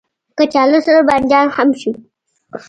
کچالو سره بانجان هم ښه وي